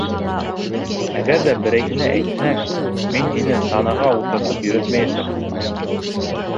Әгәр ҙә берәйһенә әйтһәң, мин һине санаға ултыртып йөрөтмәйәсәкмен.